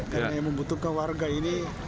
karena membutuhkan warga ini